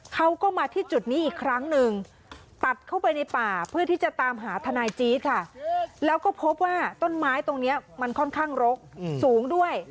เขาก็มาที่จุดนี้อีกครั้งนึง